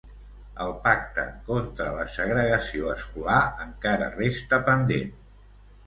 El pacte contra la segregació escolar encara resta pendent.